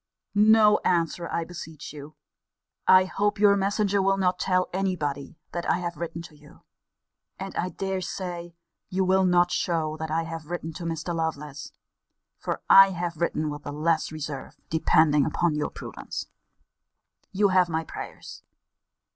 No answer, I beseech you. I hope your messenger will not tell any body that I have written to you. And I dare say you will not show what I have written to Mr. Lovelace for I have written with the less reserve, depending upon your prudence. You have my prayers.